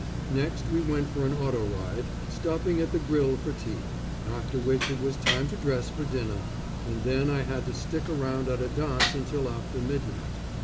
Next, we went for an auto ride, stopping at the Grill for tea, after which it was time to dress for dinner, and then I had to stick around at a dance until after midnight.